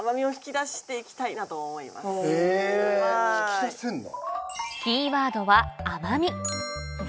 えぇ引き出せんだ。